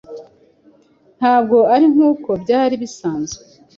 Ntabwo ari nkuko byari bisanzwe.